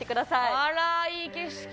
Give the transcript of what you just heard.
あらー、いい景色。